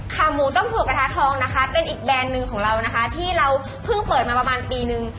ขาหมูต้มถั่วกระทะทองนะคะเป็นอีกแบรนด์หนึ่งของเรานะคะที่เราเพิ่งเปิดมาประมาณปีนึง